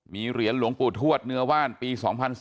มีเหรียญหลวงปู่ทวดเนื้อว่านปี๒๔